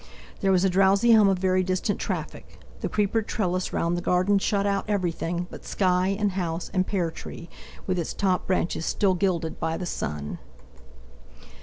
There was a drowsy hum of very distant traffic; the creepered trellis round the garden shut out everything but sky, and house, and pear tree, with its top branches still gilded by the sun.